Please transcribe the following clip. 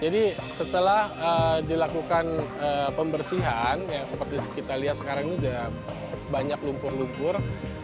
jadi setelah dilakukan pembersihan seperti yang kita lihat sekarang ini sudah banyak lumpur lumpur